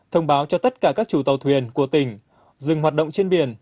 thông báo cho tất cả các chủ tàu thuyền của tỉnh dừng hoạt động trên biển